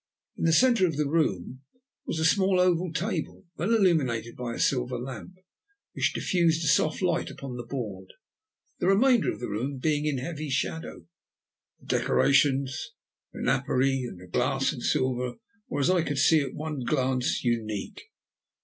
In the centre of the room was a small oval table, well illuminated by a silver lamp, which diffused a soft light upon the board, the remainder of the room being in heavy shadow. The decorations, the napery, and the glass and silver, were, as I could see at one glance, unique.